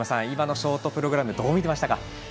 今のショートプログラムどう見ていましたか。